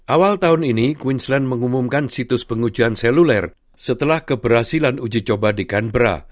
awal tahun ini queensland mengumumkan situs pengujian seluler setelah keberhasilan uji coba di kanbra